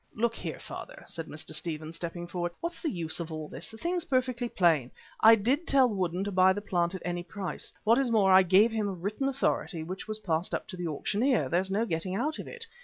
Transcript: "Look here, father," said Mr. Stephen, stepping forward. "What's the use of all this? The thing's perfectly plain. I did tell Woodden to buy the plant at any price. What is more I gave him a written authority which was passed up to the auctioneer. There's no getting out of it.